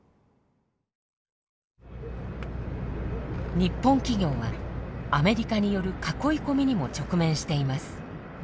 日本企業はアメリカによる囲いこみにも直面しています。